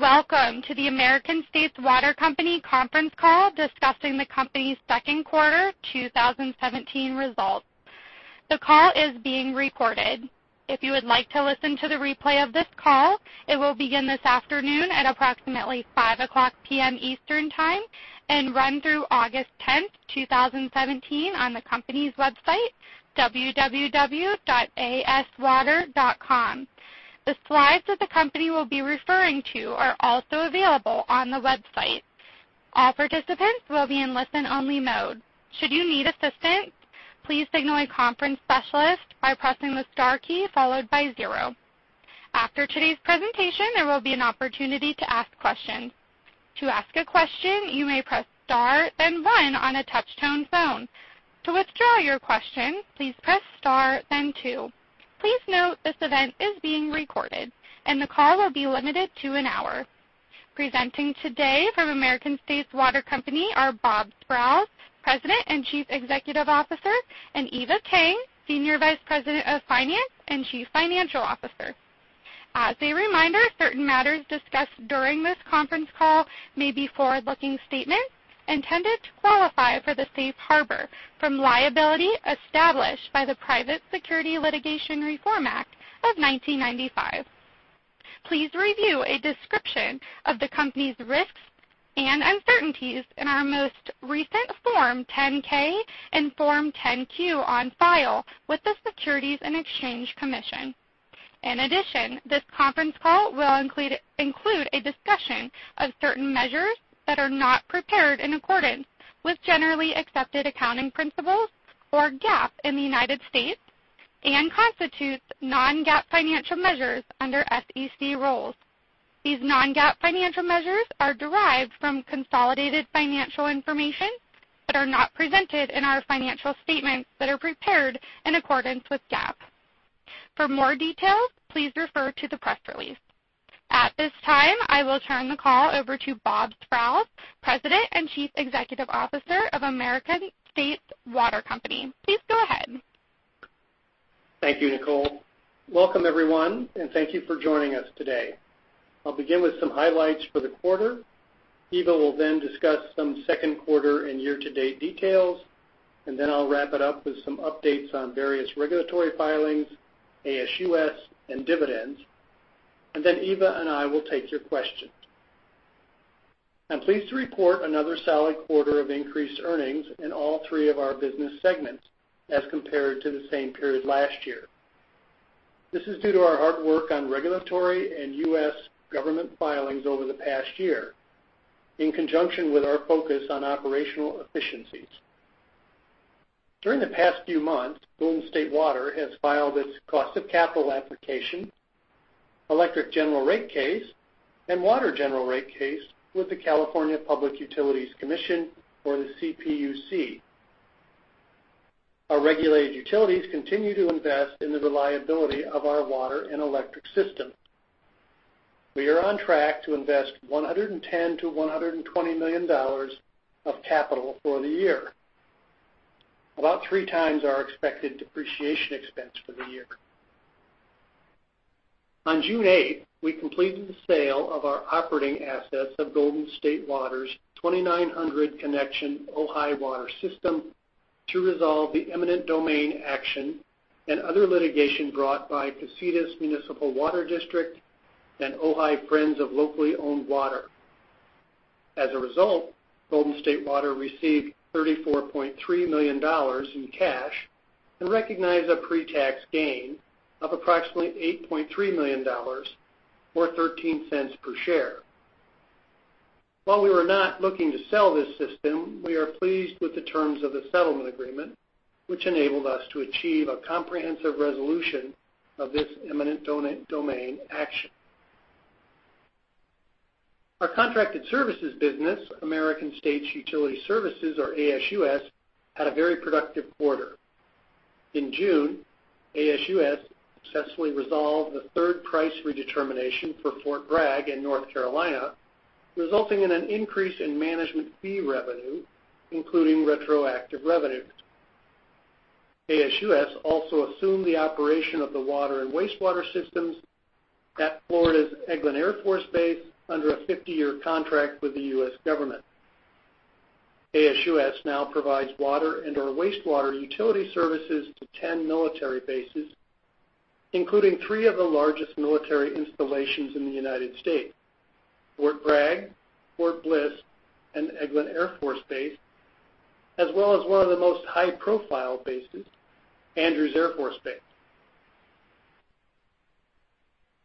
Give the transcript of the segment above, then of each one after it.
Welcome to the American States Water Company conference call discussing the company's second quarter 2017 results. The call is being recorded. If you would like to listen to the replay of this call, it will begin this afternoon at approximately 5:00 P.M. Eastern Time and run through August 10th, 2017, on the company's website, www.aswater.com. The slides that the company will be referring to are also available on the website. All participants will be in listen-only mode. Should you need assistance, please signal a conference specialist by pressing the star key followed by zero. After today's presentation, there will be an opportunity to ask questions. To ask a question, you may press star, then one on a touch-tone phone. To withdraw your question, please press star, then two. Please note this event is being recorded, and the call will be limited to an hour. Presenting today from American States Water Company are Bob Sprowls, President and Chief Executive Officer, and Eva Tang, Senior Vice President of Finance and Chief Financial Officer. As a reminder, certain matters discussed during this conference call may be forward-looking statements intended to qualify for the safe harbor from liability established by the Private Securities Litigation Reform Act of 1995. Please review a description of the company's risks and uncertainties in our most recent Form 10-K and Form 10-Q on file with the Securities and Exchange Commission. In addition, this conference call will include a discussion of certain measures that are not prepared in accordance with generally accepted accounting principles or GAAP in the United States and constitutes non-GAAP financial measures under SEC rules. These non-GAAP financial measures are derived from consolidated financial information that are not presented in our financial statements that are prepared in accordance with GAAP. For more details, please refer to the press release. At this time, I will turn the call over to Bob Sprowls, President and Chief Executive Officer of American States Water Company. Please go ahead. Thank you, Nicole. Welcome everyone, thank you for joining us today. I'll begin with some highlights for the quarter. Eva will then discuss some second quarter and year-to-date details, then I'll wrap it up with some updates on various regulatory filings, ASUS, and dividends. Then Eva and I will take your questions. I'm pleased to report another solid quarter of increased earnings in all three of our business segments as compared to the same period last year. This is due to our hard work on regulatory and U.S. government filings over the past year in conjunction with our focus on operational efficiencies. During the past few months, Golden State Water has filed its cost of capital application, electric general rate case, and water general rate case with the California Public Utilities Commission or the CPUC. Our regulated utilities continue to invest in the reliability of our water and electric system. We are on track to invest $110 million-$120 million of capital for the year, about three times our expected depreciation expense for the year. On June 8th, we completed the sale of our operating assets of Golden State Water's 2,900 connection Ojai Water System to resolve the eminent domain action and other litigation brought by Casitas Municipal Water District and Ojai Friends of Locally Owned Water. As a result, Golden State Water received $34.3 million in cash and recognized a pre-tax gain of approximately $8.3 million or $0.13 per share. While we were not looking to sell this system, we are pleased with the terms of the settlement agreement, which enabled us to achieve a comprehensive resolution of this eminent domain action. Our contracted services business, American States Utility Services or ASUS, had a very productive quarter. In June, ASUS successfully resolved the third price redetermination for Fort Bragg in North Carolina, resulting in an increase in management fee revenue, including retroactive revenue. ASUS also assumed the operation of the water and wastewater systems at Florida's Eglin Air Force Base under a 50-year contract with the U.S. government. ASUS now provides water and/or wastewater utility services to 10 military bases, including three of the largest military installations in the U.S., Fort Bragg, Fort Bliss, and Eglin Air Force Base, as well as one of the most high-profile bases, Andrews Air Force Base.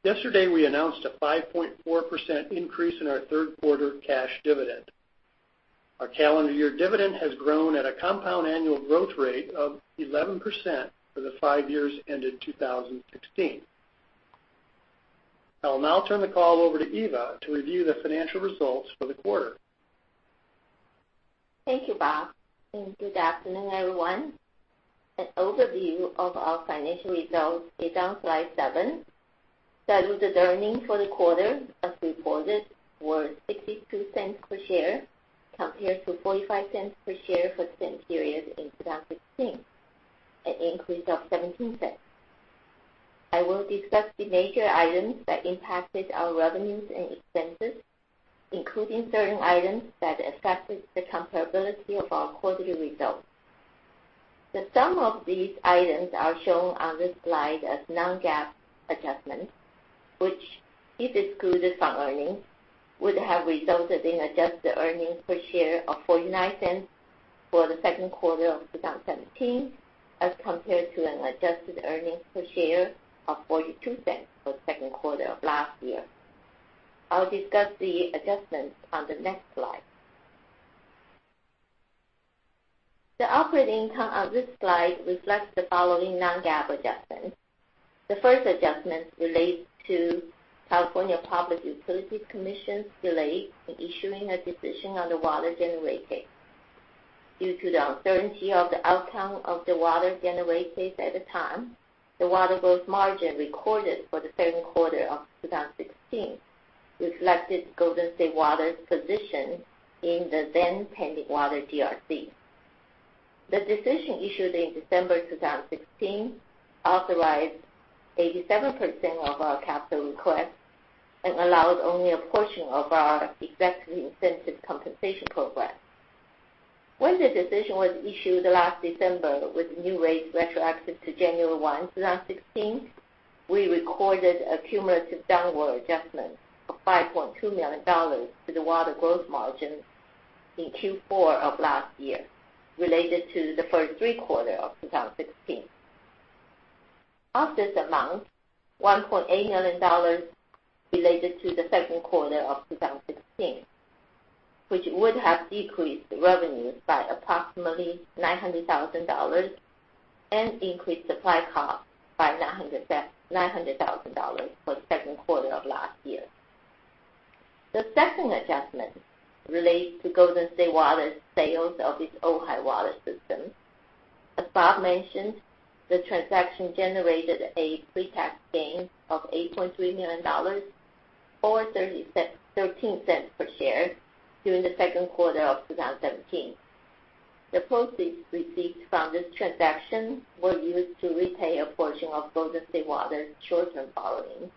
Yesterday, we announced a 5.4% increase in our third quarter cash dividend. Our calendar year dividend has grown at a compound annual growth rate of 11% for the five years ended 2016. I will now turn the call over to Eva to review the financial results for the quarter. Thank you, Bob, and good afternoon, everyone. An overview of our financial results is on slide seven. Start with the earnings for the quarter, as reported, were $0.62 per share compared to $0.45 per share for the same period in 2016, an increase of $0.17. I will discuss the major items that impacted our revenues and expenses, including certain items that affected the comparability of our quarterly results. The sum of these items are shown on this slide as non-GAAP adjustments, which, if excluded from earnings, would have resulted in adjusted earnings per share of $0.49 for the second quarter of 2017 as compared to an adjusted earnings per share of $0.42 for the second quarter of last year. I'll discuss the adjustments on the next slide. The operating income on this slide reflects the following non-GAAP adjustments. The first adjustment relates to California Public Utilities Commission's delay in issuing a decision on the water general rate case. Due to the uncertainty of the outcome of the water general rate case at the time, the water gross margin recorded for the second quarter of 2016 reflected Golden State Water's position in the then-pending water GRC. The decision issued in December 2016 authorized 87% of our capital request and allowed only a portion of our executive incentive compensation program. When the decision was issued last December with new rates retroactive to January 1, 2016, we recorded a cumulative downward adjustment of $5.2 million to the water gross margin in Q4 of last year related to the first three quarters of 2016. Of this amount, $1.8 million related to the second quarter of 2016, which would have decreased revenues by approximately $900,000 and increased supply costs by $900,000 for the second quarter of last year. The second adjustment relates to Golden State Water's sales of its Ojai Water System. As Bob mentioned, the transaction generated a pre-tax gain of $8.3 million, or $0.13 per share during the second quarter of 2017. The proceeds received from this transaction were used to repay a portion of Golden State Water's short-term borrowing.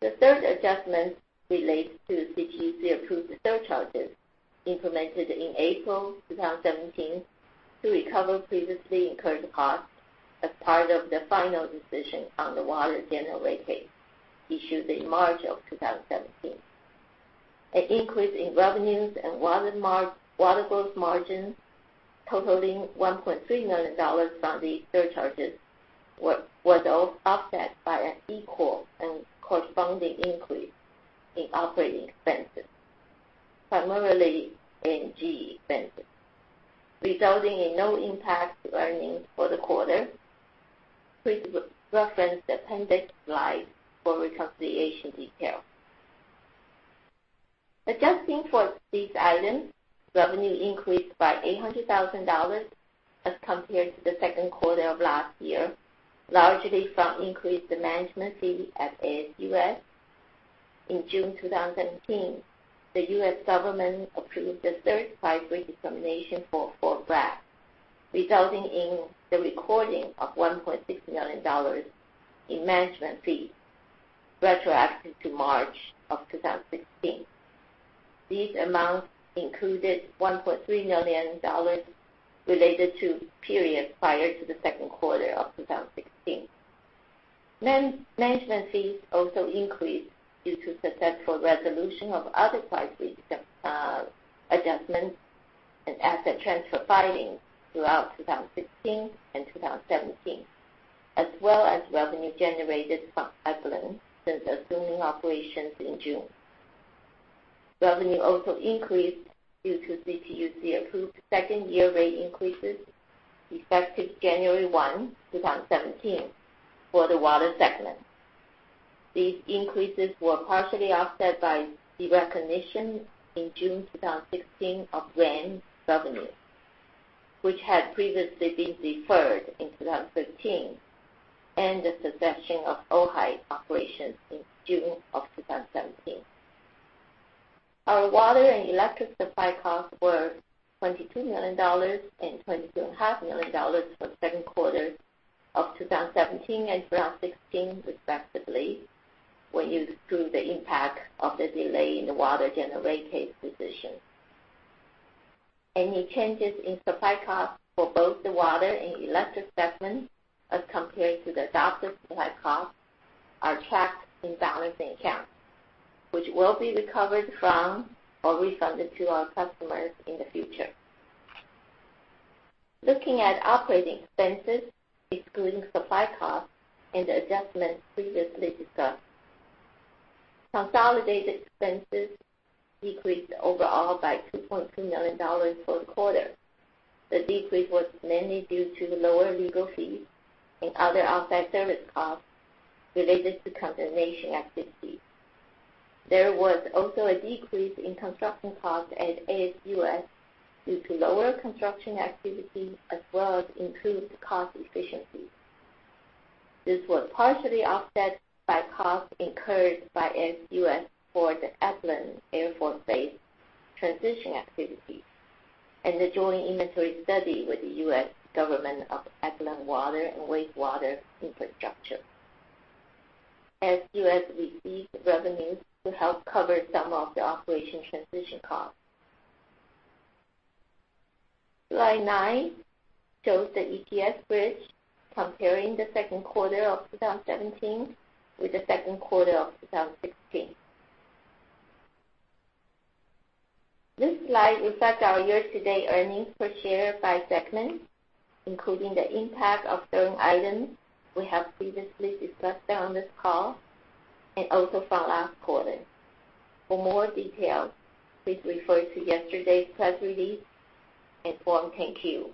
The third adjustment relates to CPUC-approved surcharges implemented in April 2017 to recover previously incurred costs as part of the final decision on the water general rate case issued in March of 2017. An increase in revenues and water gross margin totaling $1.3 million from these surcharges was offset by an equal and corresponding increase in operating expenses, primarily in G&A expenses, resulting in no impact to earnings for the quarter. Please reference the appendix slide for reconciliation detail. Adjusting for these items, revenue increased by $800,000 as compared to the second quarter of last year, largely from increased management fee at ASUS. In June 2017, the U.S. government approved the third price redetermination for BRAC, resulting in the recording of $1.6 million in management fees retroactive to March of 2016. These amounts included $1.3 million related to periods prior to the second quarter of 2016. Management fees also increased due to successful resolution of other price adjustments and asset transfer filings throughout 2016 and 2017, as well as revenue generated from Eglin since assuming operations in June. Revenue also increased due to CPUC-approved second-year rate increases effective January 1, 2017, for the water segment. These increases were partially offset by the recognition in June 2016 of land revenue, which had previously been deferred in 2015, and the cessation of Ojai operations in June of 2017. Our water and electric supply costs were $22 million and $22.5 million for the second quarter of 2017 and 2016 respectively, when you exclude the impact of the delay in the water general rate case decision. Any changes in supply costs for both the water and electric segments as compared to the adopted supply costs are tracked in balancing accounts, which will be recovered from or refunded to our customers in the future. Looking at operating expenses, excluding supply costs and the adjustments previously discussed, consolidated expenses decreased overall by $2.3 million for the quarter. The decrease was mainly due to lower legal fees and other outside service costs related to condemnation activity. There was also a decrease in construction costs at ASUS due to lower construction activity as well as improved cost efficiency. This was partially offset by costs incurred by ASUS for the Eglin Air Force Base transition activities and the joint inventory study with the U.S. government of Eglin water and wastewater infrastructure. ASUS received revenues to help cover some of the operation transition costs. Slide nine shows the EPS bridge comparing the second quarter of 2017 with the second quarter of 2016. This slide reflects our year-to-date earnings per share by segment, including the impact of certain items we have previously discussed on this call and also from last quarter. For more details, please refer to yesterday's press release and Form 10-Q.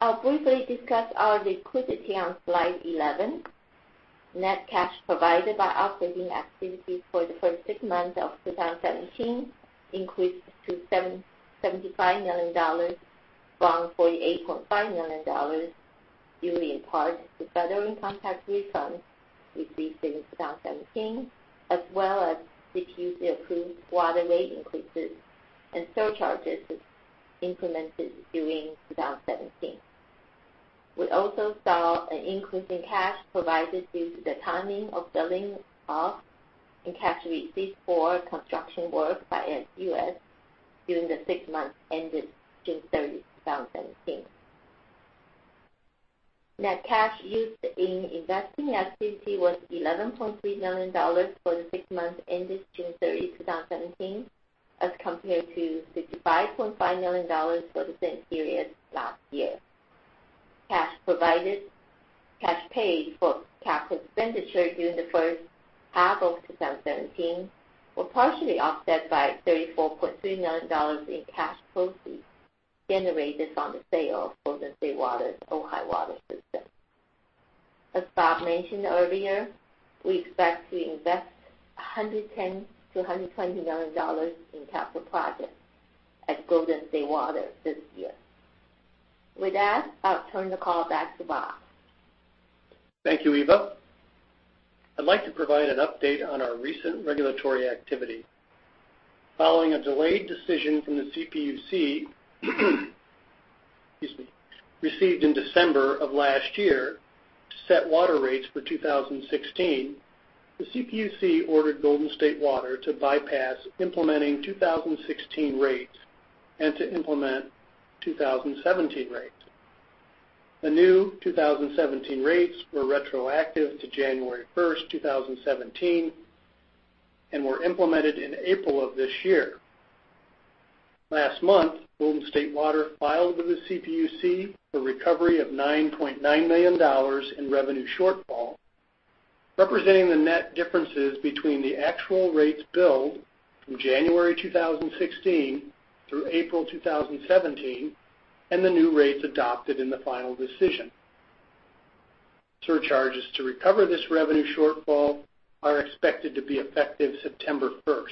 I'll briefly discuss our liquidity on slide 11. Net cash provided by operating activities for the first six months of 2017 increased to $75 million from $48.5 million, due in part to federal income tax refunds received in 2017, as well as CPUC-approved water rate increases and surcharges implemented during 2017. We also saw an increase in cash provided due to the timing of billing of and cash received for construction work by ASUS during the six months ended June 30, 2017. Net cash used in investing activity was $11.3 million for the six months ended June 30, 2017, as compared to $65.5 million for the same period last year. Cash paid for capital expenditure during the first half of 2017 were partially offset by $34.3 million in cash proceeds generated from the sale of Golden State Water's Ojai Water System. As Bob mentioned earlier, we expect to invest $110 million-$120 million in capital projects at Golden State Water this year. With that, I'll turn the call back to Bob. Thank you, Eva. I'd like to provide an update on our recent regulatory activity. Following a delayed decision from the CPUC received in December of last year to set water rates for 2016, the CPUC ordered Golden State Water to bypass implementing 2016 rates and to implement 2017 rates. The new 2017 rates were retroactive to January 1st, 2017, and were implemented in April of this year. Last month, Golden State Water filed with the CPUC for recovery of $9.9 million in revenue shortfall, representing the net differences between the actual rates billed from January 2016 through April 2017 and the new rates adopted in the final decision. Surcharges to recover this revenue shortfall are expected to be effective September 1st.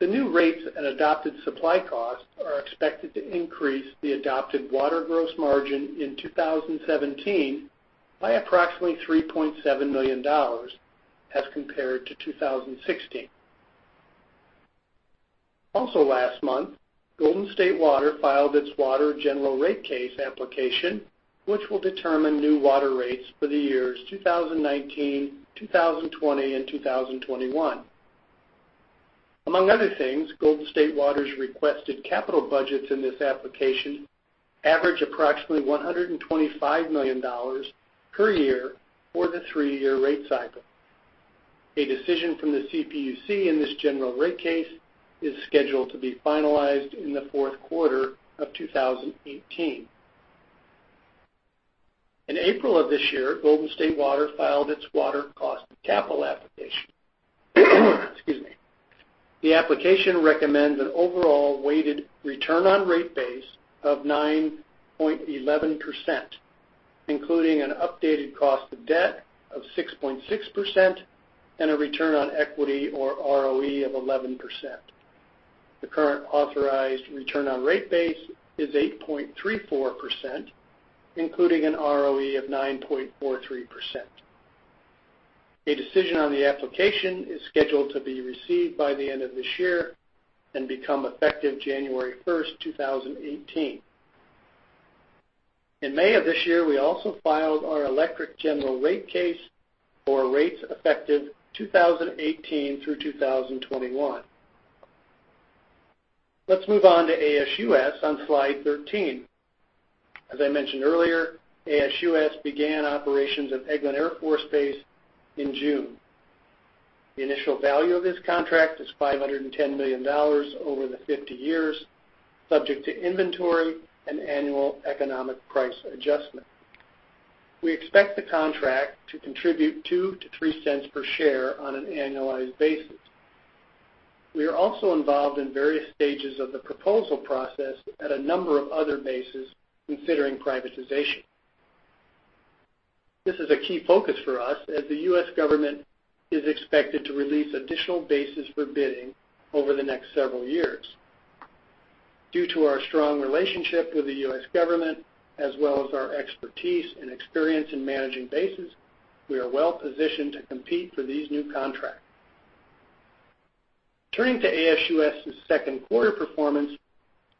The new rates and adopted supply costs are expected to increase the adopted water gross margin in 2017 by approximately $3.7 million as compared to 2016. Last month, Golden State Water filed its water General Rate Case application, which will determine new water rates for the years 2019, 2020, and 2021. Among other things, Golden State Water's requested capital budgets in this application average approximately $125 million per year for the three-year rate cycle. A decision from the CPUC in this General Rate Case is scheduled to be finalized in the fourth quarter of 2018. In April of this year, Golden State Water filed its water cost of capital application. The application recommends an overall weighted return on rate base of 9.11%, including an updated cost of debt of 6.6% and a return on equity, or ROE, of 11%. The current authorized return on rate base is 8.34%, including an ROE of 9.43%. A decision on the application is scheduled to be received by the end of this year and become effective January 1st, 2018. In May of this year, we also filed our electric General Rate Case for rates effective 2018 through 2021. Let's move on to ASUS on slide 13. As I mentioned earlier, ASUS began operations at Eglin Air Force Base in June. The initial value of this contract is $510 million over the 50 years, subject to inventory and annual economic price adjustment. We expect the contract to contribute $0.02 to $0.03 per share on an annualized basis. We are also involved in various stages of the proposal process at a number of other bases considering privatization. This is a key focus for us, as the U.S. government is expected to release additional bases for bidding over the next several years. Due to our strong relationship with the U.S. government, as well as our expertise and experience in managing bases, we are well-positioned to compete for these new contracts. Turning to ASUS's second quarter performance,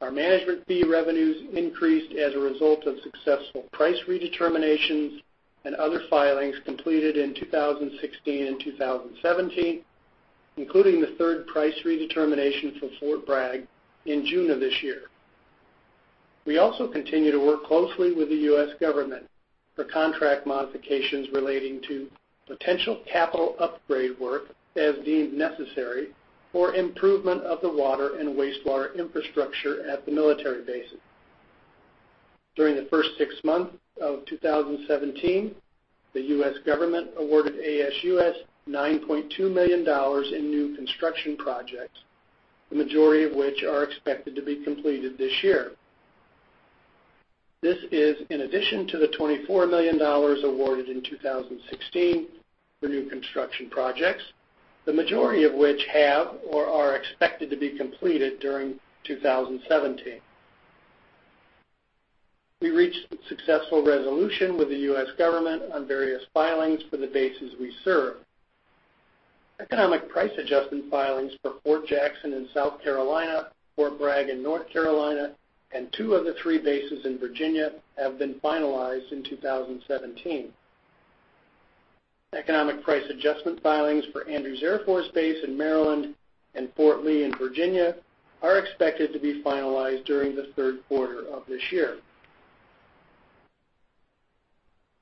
our management fee revenues increased as a result of successful price redeterminations and other filings completed in 2016 and 2017, including the third price redetermination for Fort Bragg in June of this year. We also continue to work closely with the U.S. government for contract modifications relating to potential capital upgrade work as deemed necessary for improvement of the water and wastewater infrastructure at the military bases. During the first six months of 2017, the U.S. government awarded ASUS $9.2 million in new construction projects, the majority of which are expected to be completed this year. This is in addition to the $24 million awarded in 2016 for new construction projects, the majority of which have or are expected to be completed during 2017. We reached a successful resolution with the U.S. government on various filings for the bases we serve. Economic price adjustment filings for Fort Jackson in South Carolina, Fort Bragg in North Carolina, and two of the three bases in Virginia have been finalized in 2017. Economic price adjustment filings for Andrews Air Force Base in Maryland and Fort Lee in Virginia are expected to be finalized during the third quarter of this year.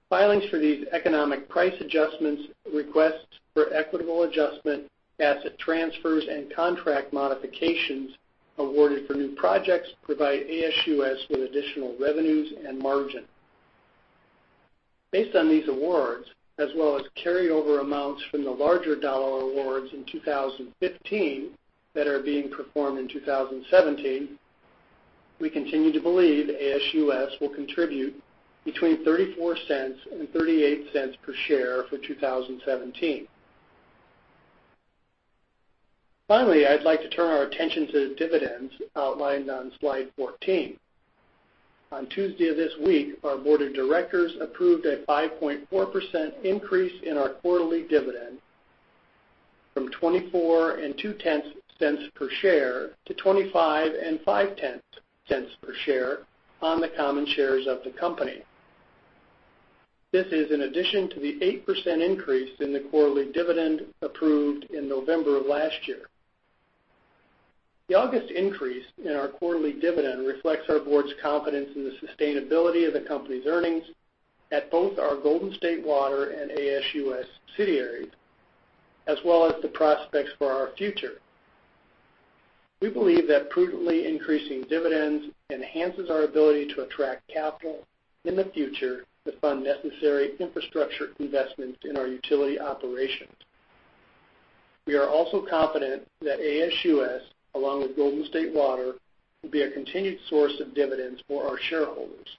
Filings for these economic price adjustments, requests for equitable adjustment, asset transfers, and contract modifications awarded for new projects provide ASUS with additional revenues and margin. Based on these awards, as well as carryover amounts from the larger dollar awards in 2015 that are being performed in 2017, we continue to believe ASUS will contribute between $0.34 and $0.38 per share for 2017. I'd like to turn our attention to the dividends outlined on slide 14. On Tuesday of this week, our board of directors approved a 5.4% increase in our quarterly dividend from $0.242 per share to $0.255 per share on the common shares of the company. This is in addition to the 8% increase in the quarterly dividend approved in November of last year. The August increase in our quarterly dividend reflects our board's confidence in the sustainability of the company's earnings at both our Golden State Water and ASUS subsidiaries, as well as the prospects for our future. We believe that prudently increasing dividends enhances our ability to attract capital in the future to fund necessary infrastructure investments in our utility operations. We are also confident that ASUS, along with Golden State Water, will be a continued source of dividends for our shareholders.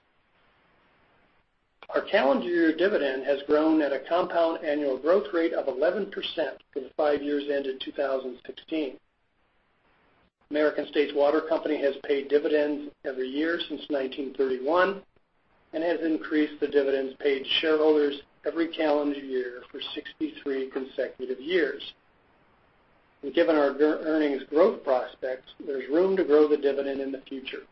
Our calendar year dividend has grown at a compound annual growth rate of 11% for the five years ended 2016. American States Water Company has paid dividends every year since 1931 and has increased the dividends paid to shareholders every calendar year for 63 consecutive years. Given our earnings growth prospects, there's room to grow the dividend in the future.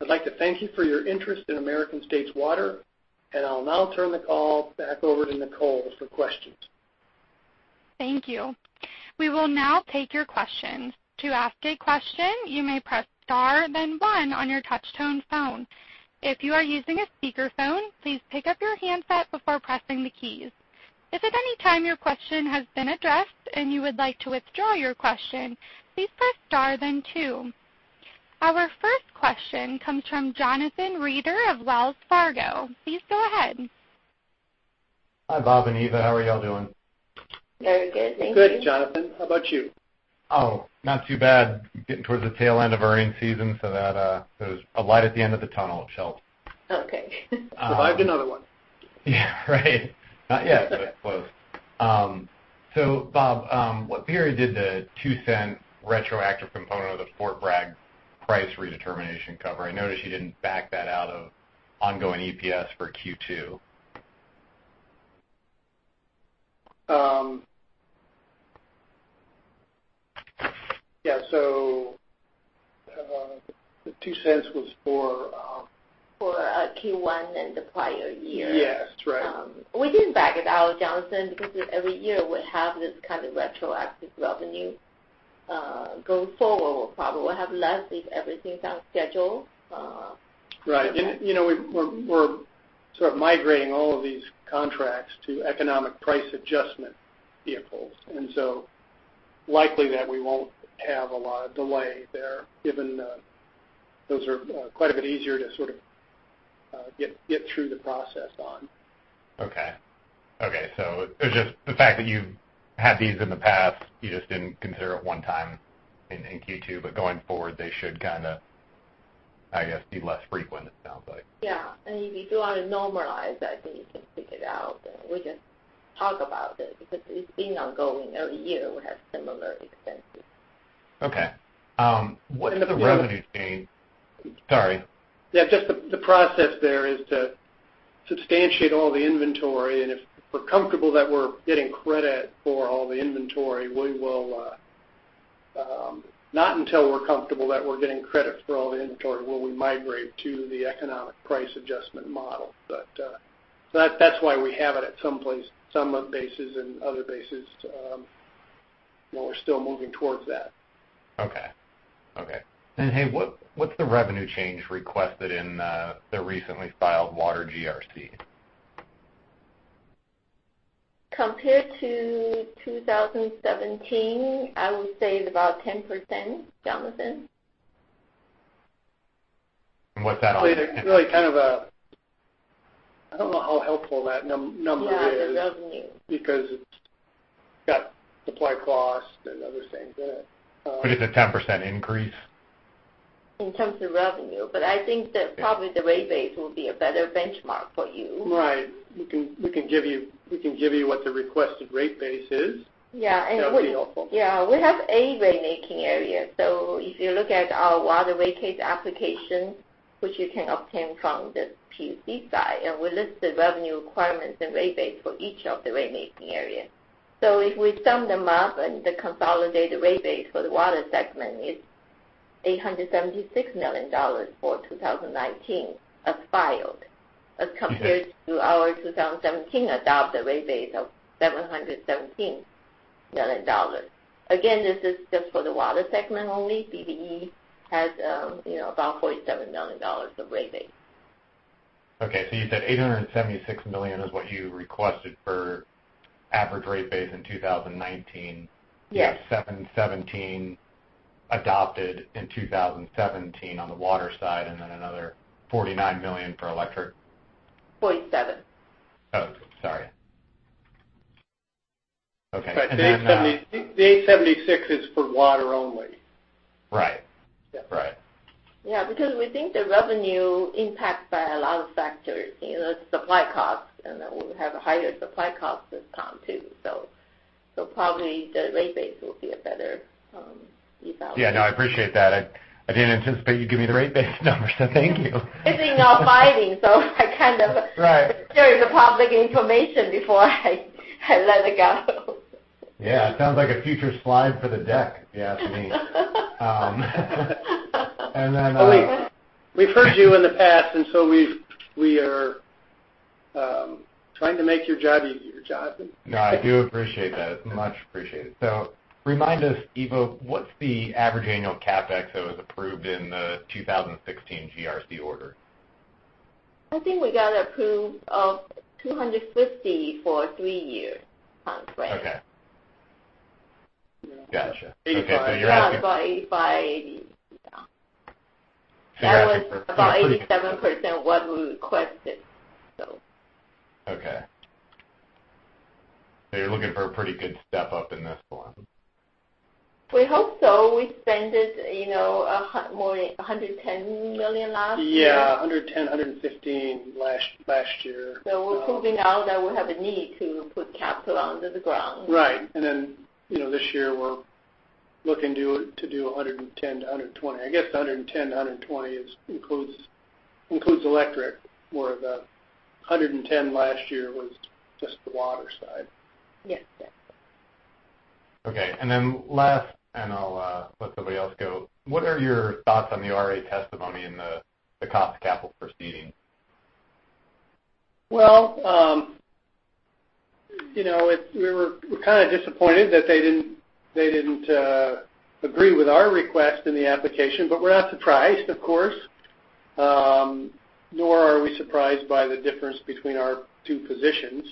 I'd like to thank you for your interest in American States Water, and I'll now turn the call back over to Nicole for questions. Thank you. We will now take your questions. To ask a question, you may press star then one on your touchtone phone. If you are using a speakerphone, please pick up your handset before pressing the keys. If at any time your question has been addressed and you would like to withdraw your question, please press star then two. Our first question comes from Jonathan Reeder of Wells Fargo. Please go ahead. Hi, Bob and Eva. How are y'all doing? Very good, thank you. Good, Jonathan. How about you? Oh, not too bad. Getting towards the tail end of earnings season, there's a light at the end of the tunnel. It helps. Okay. Survived another one. Yeah, right. Not yet, but close. Bob, what period did the $0.02 retroactive component of the Fort Bragg price redetermination cover? I noticed you didn't back that out of ongoing EPS for Q2. Yeah, the $0.02 was for- For Q1 in the prior year. Yes, that's right. We did back it out, Jonathan, because every year, we have this kind of retroactive revenue. Going forward, we'll probably have less if everything's on schedule. Right. We're sort of migrating all of these contracts to economic price adjustment vehicles, likely that we won't have a lot of delay there, given those are quite a bit easier to sort of get through the process on. Okay. It's just the fact that you've had these in the past, you just didn't consider it one time in Q2, going forward, they should, I guess, be less frequent, it sounds like. Yeah. If you do want to normalize, I think you can take it out, and we can talk about it because it's been ongoing. Every year we have similar expenses. Okay. What is the revenue change? Sorry. Yeah, just the process there is to substantiate all the inventory, if we're comfortable that we're getting credit for all the inventory, we will Not until we're comfortable that we're getting credit for all the inventory will we migrate to the economic price adjustment model. That's why we have it at some places, some bases, and other bases, we're still moving towards that. Okay. Hey, what's the revenue change requested in the recently filed water GRC? Compared to 2017, I would say it's about 10%, Jonathan. What that. It's really kind of I don't know how helpful that number is. Yeah, the revenue. because it's got supply costs and other things in it. It's a 10% increase. In terms of revenue, but I think that probably the rate base will be a better benchmark for you. Right. We can give you what the requested rate base is. Yeah. That would be helpful. Yeah, we have eight ratemaking areas. If you look at our water rate case application, which you can obtain from the PUC site, we list the revenue requirements and rate base for each of the rate making area. If we sum them up, the consolidated rate base for the water segment is $876 million for 2019, as filed, as compared to our 2017 adopted rate base of $717 million. Again, this is just for the water segment only. BCE has about $47 million of rate base. Okay, you said $876 million is what you requested for average rate base in 2019. Yes. You have $717 million adopted in 2017 on the water side, then another $49 million for electric. Point seven. Oh, sorry. Okay, then- The 876 is for water only. Right. Yeah. Right. Yeah, because we think the revenue impact by a lot of factors, supply costs, then we have a higher supply cost this time, too. Probably the rate base will be a better evaluation. Yeah, no, I appreciate that. I didn't anticipate you'd give me the rate base number, thank you. It's in our filing. Right I share the public information before I let it go. Yeah, it sounds like a future slide for the deck, if you ask me. We've heard you in the past, we are trying to make your job easier, Jonathan. No, I do appreciate that. It's much appreciated. Remind us, Eva, what's the average annual CapEx that was approved in the 2016 GRC order? I think we got approved of $250 for three years on rate. Okay. Got you. Okay. Yeah, about 85, 80. Yeah. That was about 87% what we requested. Okay. You're looking for a pretty good step up in this one. We hope so. We spent more than $110 million last year. Yeah, $110, $115 last year. We're proving now that we have a need to put capital under the ground. Right. This year we're looking to do $110 million-$120 million. I guess the $110 million, $120 million includes electric, where the $110 million last year was just the water side. Yes. Okay. And then last, and I'll let somebody else go. What are your thoughts on the ORA testimony in the cost of capital proceeding? Well, we were kind of disappointed that they didn't agree with our request in the application. We're not surprised, of course, nor are we surprised by the difference between our two positions.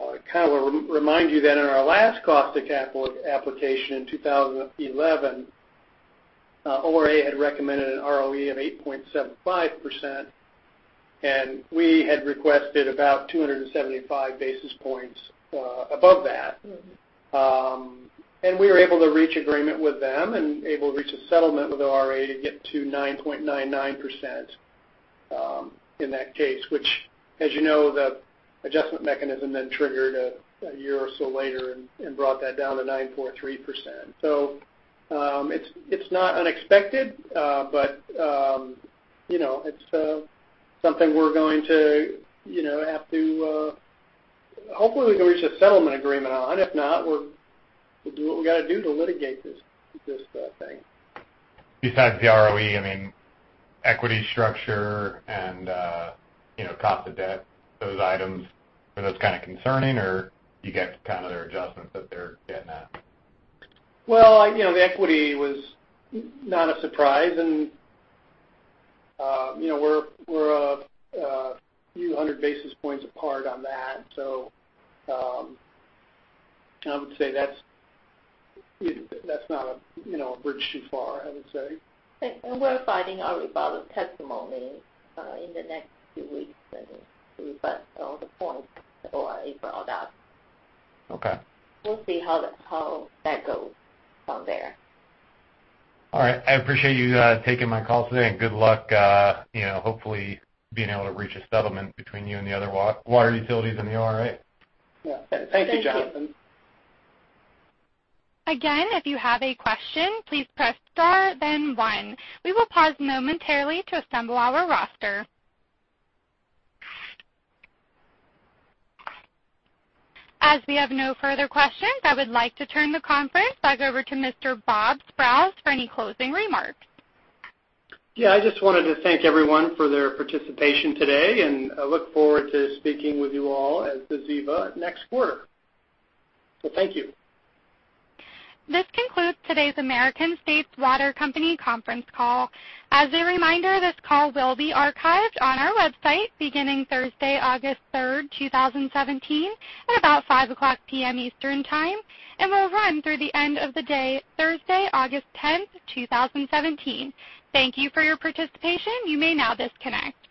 I kind of want to remind you that in our last cost of capital application in 2011, ORA had recommended an ROE of 8.75%. We had requested about 275 basis points above that. We were able to reach agreement with them and able to reach a settlement with ORA to get to 9.99% in that case, which, as you know, the adjustment mechanism then triggered a year or so later and brought that down to 9.3%. It's not unexpected, but it's something we're going to have to hopefully reach a settlement agreement on. If not, we'll do what we've got to do to litigate this thing. Besides the ROE, I mean, equity structure and cost of debt, those items, are those kind of concerning, or you get their adjustments that they're getting at? Well, the equity was not a surprise, and we're a few hundred basis points apart on that. I would say that's not a bridge too far, I would say. We're filing our rebuttal testimony in the next few weeks, I think, to rebut all the points ORA brought up. Okay. We'll see how that goes from there. All right. I appreciate you guys taking my call today. Good luck hopefully being able to reach a settlement between you and the other water utilities and the ORA. Yeah. Thank you, Jonathan. Thank you. Again, if you have a question, please press star then one. We will pause momentarily to assemble our roster. As we have no further questions, I would like to turn the conference back over to Mr. Robert Sprowls for any closing remarks. Yeah, I just wanted to thank everyone for their participation today. I look forward to speaking with you all as ever next quarter. Thank you. This concludes today's American States Water Company conference call. As a reminder, this call will be archived on our website beginning Thursday, August 3rd, 2017 at about 5:00 P.M. Eastern Time and will run through the end of the day, Thursday, August 10th, 2017. Thank you for your participation. You may now disconnect.